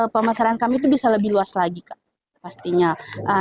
pemasaran kami itu bisa lebih luas lagi kak pastinya